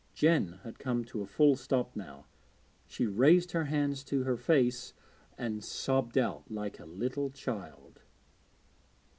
Jen had come to a full stop now. She raised her hands to her face and sobbed out like a little child.